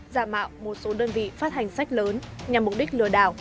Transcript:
giả mạo một số đơn vị phát hành sách lớn nhằm mục đích lừa đảo